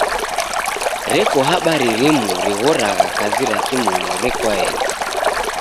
Reko habari rimu righoragha kazi ra kimonu rekoaeni.